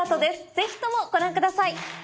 ぜひともご覧ください。